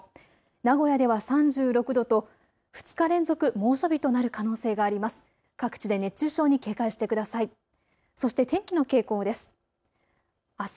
名古屋では３６度と２日連続猛暑日となる可能性があります。